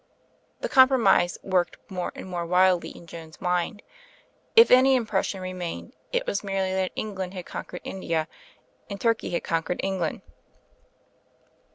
The compromise worked more and more wildly in Joan's mind. If any impression remain^ it was merely that England had conquered India ami Turkey had conquered England.